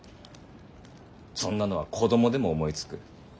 そんなのは子供でも思いつく。